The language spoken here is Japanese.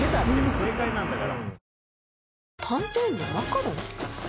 正解なんだから。